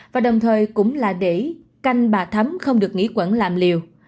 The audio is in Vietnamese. và đồng thời cũng là để canh bà thấm không được nghỉ quẩn làm liều